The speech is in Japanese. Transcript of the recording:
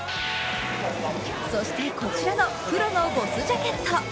そしてこちらの黒のＢＯＳＳジャケット。